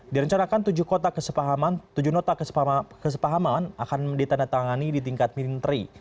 direncanakan tujuh nota kesepahaman akan ditandatangani di tingkat menteri